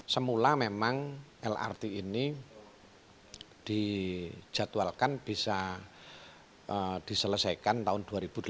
semula memang lrt ini dijadwalkan bisa diselesaikan tahun dua ribu delapan belas